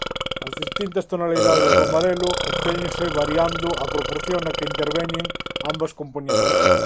As distintas tonalidades do amarelo obtéñense variando a proporción na que interveñen ambas compoñentes.